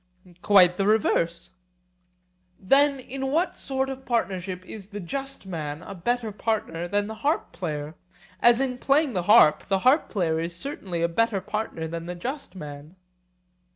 Quite the reverse. Then in what sort of partnership is the just man a better partner than the harp player, as in playing the harp the harp player is certainly a better partner than the just man?